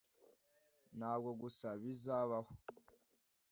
ntabwo gusa bizabaho